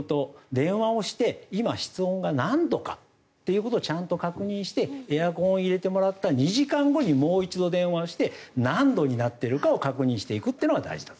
電話をして今、室内が何度かということをちゃんと確認してエアコンを入れてもらった２時間後にもう一度電話をして何度になっているかを確認していくっていうのが大事だと。